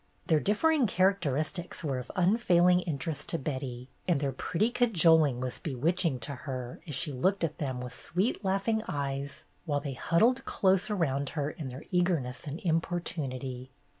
Their differing characteristics were of un failing interest to Betty, and their pretty cajol ing was bewitching to her as she looked at them with sweet laughing eyes while they hud dled close around her in their eagerness and importunity.